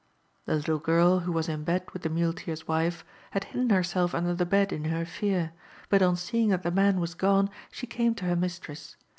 The little girl, who was in bed with the muleteer's wife, had hidden herself under the bed in her fear; but on seeing that the man was gone, she came to her mistress.